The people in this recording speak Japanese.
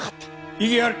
異議あり！